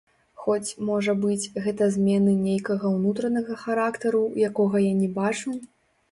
Хоць, можа быць, гэта змены нейкага ўнутранага характару, якога я не бачу?